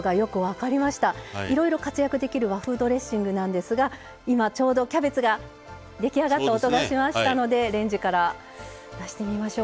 いろいろ活躍できる和風ドレッシングなんですが今ちょうどキャベツが出来上がった音がしましたのでレンジから出してみましょうか。